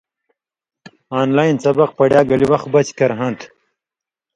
آن لائن سبق پڑیا گلے وخ بچ کرہاں تھہ۔